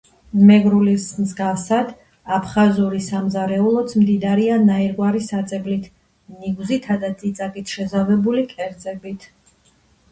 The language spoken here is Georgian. მეგრულის მსგავსად აფხაზური სამზარეულოც მდიდარია ნაირგვარი საწებლით, ნიგვზითა და წიწაკით შეზავებული კერძებით.